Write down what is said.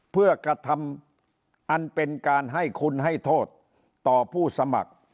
เพื่อกระทำอันเป็นการให้คุณให้โทษต่อผู้สมัคร